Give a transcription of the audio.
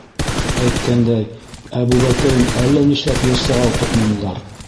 Әйткәндәй, Әбүбәкерен әллә нишләп йырсыға уҡытманылар.